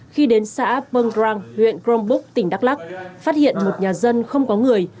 khi đến xã pongrang huyện grongbúc tỉnh đắk lắc phát hiện một nhà dân không có người